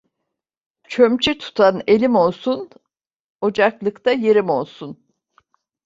Çömçe tutan elim olsun, ocaklıkta yerim olsun.